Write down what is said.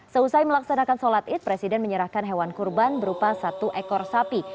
seusai melaksanakan sholat id presiden menyerahkan hewan kurban berupa satu ekor sapi